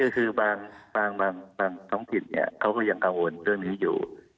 คือบางท้องถิ่นเขาก็ยังกังวลเรื่องนี้อยู่